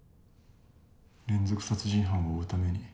連続殺人犯を追うために。